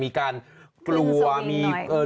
มีการกลัวซอวิงหน่อย